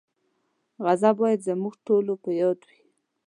غزه باید زموږ ټولو په یاد وي.